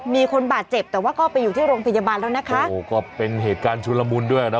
มีคนบาดเจ็บแต่ว่าก็ไปอยู่ที่โรงพยาบาลแล้วนะคะโอ้ก็เป็นเหตุการณ์ชุนละมุนด้วยนะ